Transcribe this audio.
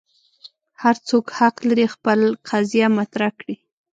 هر څوک حق لري خپل قضیه مطرح کړي.